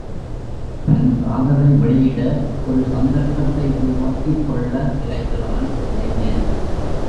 தன் காதலை வெளியிட ஒரு சந்தர்ப்பத்தை உருவாக்கிக் கொள்ள விரைகிறான் இளைஞன்.